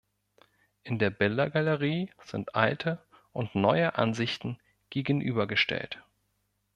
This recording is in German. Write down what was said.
In der Bildergalerie sind alte und neue Ansichten gegenübergestellt.